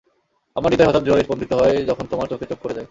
আমার হৃদয় হঠাৎ জোরে স্পন্দিত হয়, যখন তোমার চোখে চোখ পড়ে যায়।